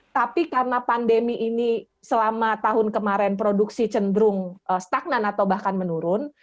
tapi karena pandemi ini selama tahun kemarin produksi cenderung stagnan atau bahkan menurun